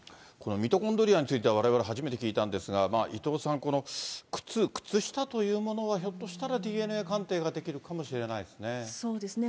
ミトコンドリアについては、われわれ、初めて聞いたんですが、伊藤さん、この靴、靴下というものは、ひょっとしたらＤＮＡ鑑定ができるかもしれないですね。